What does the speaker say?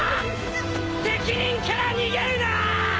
責任から逃げるなっ！